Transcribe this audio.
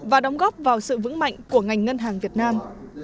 và đóng góp vào sự vững mạnh của ngành ngân hàng việt nam